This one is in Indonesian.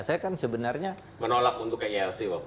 saya kan sebenarnya menolak untuk ke elc waktu itu